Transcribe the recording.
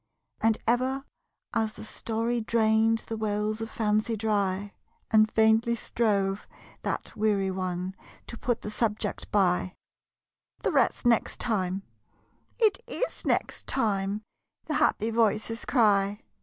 And ever, as the story drained The wells of fancy dry, And faintly strove that weary one To put the subject by ``The rest next time '' ``It is next time!'' The happy voices cry.